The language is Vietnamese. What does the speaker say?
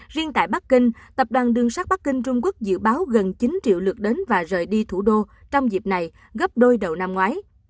riêng tại bắc kinh tập đoàn đường sát bắc kinh trung quốc dự báo gần chín triệu lượt đến và rời đi thủ đô trong dịp này gấp đôi đầu năm ngoái